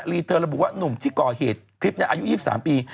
เธอระบุว่านุ่มที่ก่อเหตุคลิปนี้อายุ๒๓ปี